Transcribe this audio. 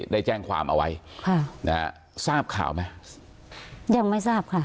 ได้แจ้งความเอาไว้ค่ะนะฮะทราบข่าวไหมยังไม่ทราบค่ะ